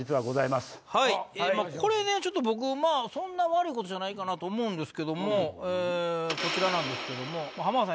これね僕そんな悪いことじゃないかなと思うんですけどもこちらなんですけども。